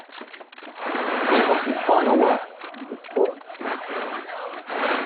It was his final work in this form.